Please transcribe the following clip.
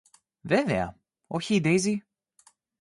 Βέβαια, όχι η Ντέιζη;